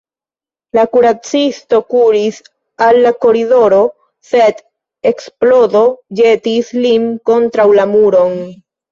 La kuracisto kuris al la koridoro, sed eksplodo ĵetis lin kontraŭ la muron.